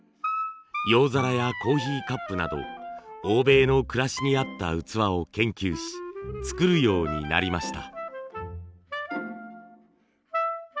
洋皿やコーヒーカップなど欧米の暮らしにあった器を研究し作るようになりました。